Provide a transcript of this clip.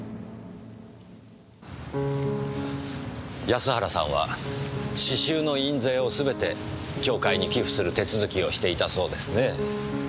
安原さんは詩集の印税をすべて教会に寄付する手続きをしていたそうですねぇ。